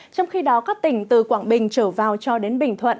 trong khi đó các tỉnh từ quảng bình trở vào cho đến bình thuận